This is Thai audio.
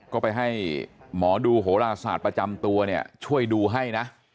ก็ไปให้หมอดูโหลาศาสตร์ประจำตัวเนี่ยช่วยดูให้นะ